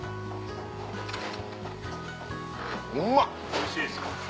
おいしいですか。